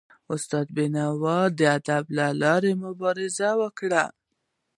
استاد بینوا د ادب له لاري مبارزه وکړه.